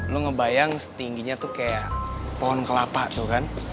lu ngebayang setingginya tuh kayak pohon kelapa tuh kan